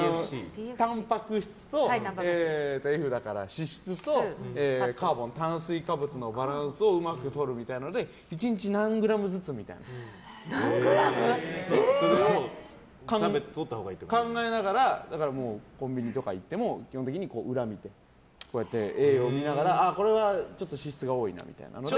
たんぱく質とＦだから脂質とカーボン、炭水化物のバランスをうまくとるみたいなので１日何グラムずつみたいな。考えながらコンビニとか行っても基本的に裏を見て栄養を見ながらこれはちょっと脂質が多いなみたいなので。